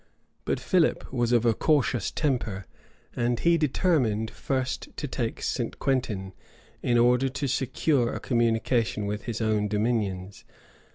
But Philip was of a cautious temper; and he determined first to take St. Quintin, in order to secure a communication with his own dominions.